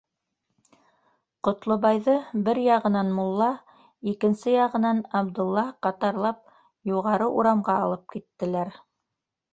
Ҡотлобайҙы бер яғынан мулла, икенсе яғынан Абдулла ҡатарлап, юғары урамға алып киттеләр.